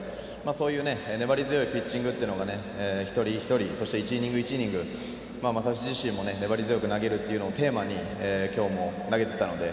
そういう粘り強いピッチングっていうのが一人一人、そして１イニング１イニング将司自身も粘り強く投げるのをテーマにきょうも投げていたので。